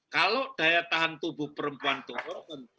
kalau daya tahan tubuh perempuan turun tentu